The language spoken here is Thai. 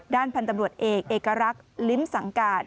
พันธุ์ตำรวจเอกเอกรักษ์ลิ้มสังกาศ